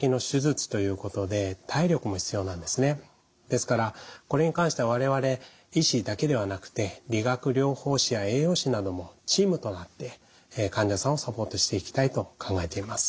ですからこれに関しては我々医師だけではなくて理学療法士や栄養士などもチームとなって患者さんをサポートしていきたいと考えています。